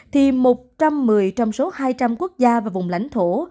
thì một trăm một mươi trong số hai trăm linh quốc gia và vùng lãnh thổ